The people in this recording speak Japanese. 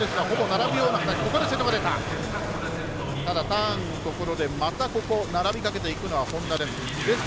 ターンのところでまた、ここ並びかけていくのは本多です。